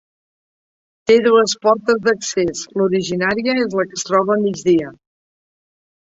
Té dues portes d'accés, l'originària és la que es troba a migdia.